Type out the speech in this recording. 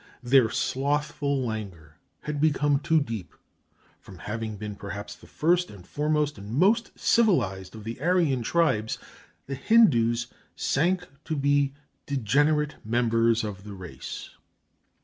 Their slothful languor had become too deep. From having been perhaps the first and foremost and most civilized of the Aryan tribes, the Hindus sank to be degenerate members of the race.